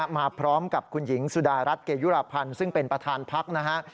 มาพร้อมกับคุณหญิงสุดารัฐเกยุรพันธ์ซึ่งเป็นประธานพักนะฮะ